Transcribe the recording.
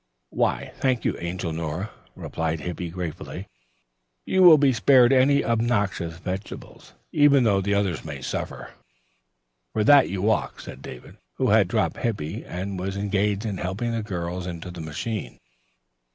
"Thank you, angel Nora," replied Hippy gratefully. "You will be spared any obnoxious vegetables, even though the others may suffer." "For that you walk," said David, who had dropped Hippy and was engaged in helping the girls into the machine.